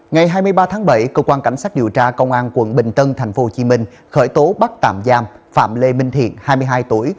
ngày hai mươi ba tháng bảy cơ quan cảnh sát điều tra công an quận bình tân tp hcm khởi tố bắt tạm giam phạm lê minh thiện hai mươi hai tuổi